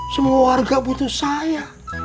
semua warga butuh saya